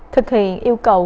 thực hiện yêu cầu